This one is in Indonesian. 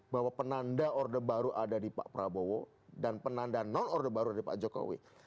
bahwa penanda order baru ada di pak prabowo dan penanda non order baru ada di pak jokowi